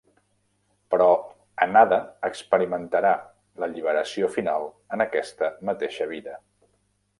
Però Anada experimentarà l'alliberació final en aquesta mateixa vida.